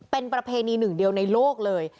เป็นประเพณีหนึ่งเดียวในโลกเลย